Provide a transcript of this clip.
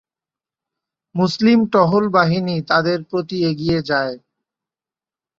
মুসলিম টহল বাহিনী তাদের প্রতি এগিয়ে যায়।